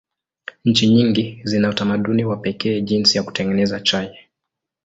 Nchi nyingi zina utamaduni wa pekee jinsi ya kutengeneza chai.